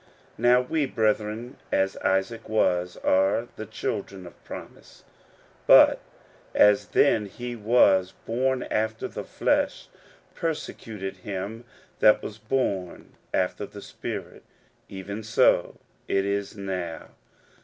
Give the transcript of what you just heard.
"Now we, brethren, as Isaac was, are the children of promise. But as then he that was bom after the flesh persecuted him that was bom after the Spirit, even so it is now."